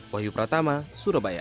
wahyu pratama surabaya